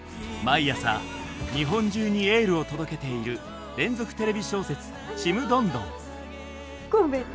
毎朝、日本中にエールを届けている連続テレビ小説「ちむどんどん」。